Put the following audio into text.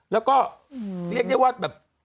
แล้วก็เรียกได้ว่าแบบ